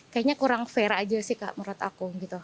kayaknya kurang fair aja sih kak menurut aku gitu